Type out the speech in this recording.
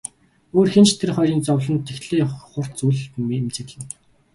Өөр хэн ч тэр хоёрын зовлонд тэгтлээ хурц үл эмзэглэнэ.